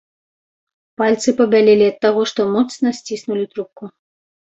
Пальцы пабялелі ад таго, што моцна сціснулі трубку.